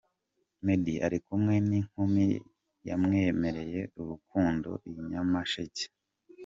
Meddy ari kumwe n’inkumi yamwemereye urukundo i Nyamasheke.